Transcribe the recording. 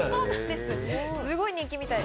すごい人気みたいで。